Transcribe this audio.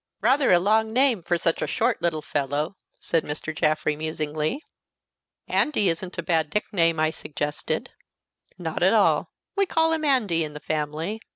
Rather a long name for such a short little fellow," said Mr. Jaffrey, musingly. "Andy isn't a bad nickname," I suggested. "Not at all. We call him Andy, in the family.